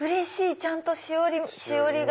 ちゃんとしおりが。